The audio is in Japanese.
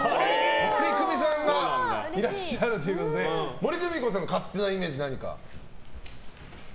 モリクミさんがいらっしゃるということで森公美子さんの勝手なイメージ何か。